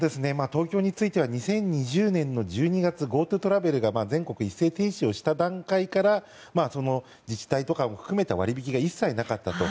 東京については２０２０年の１２月ＧｏＴｏトラベルが全国一斉停止した段階から自治体などを含めた割引が一切なかったと。